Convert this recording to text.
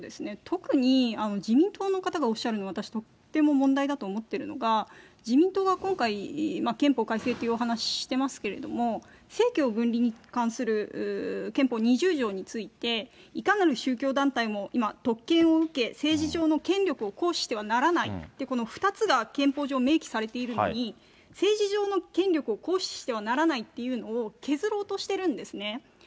特に自民党の方がおっしゃるのは、私、問題だと思うのが、自民党が今回、憲法改正ってお話ししてますけども、政教分離に関する憲法２０条について、いかなる宗教団体も今、特権を受け、政治上の権力を行使してはならないって、この２つが憲法上明記されているのに、政治上の権力を行使してはならないっていうのを削ろうとしてるんですね。